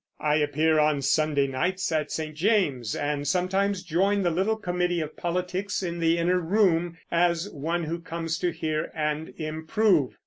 I appear on Sunday nights at St. James's, and sometimes join the little committee of politics in the inner room, as one who comes to hear and improve.